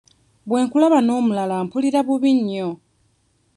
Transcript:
Bwe nkulaba n'omulala mpulira bubi nnyo.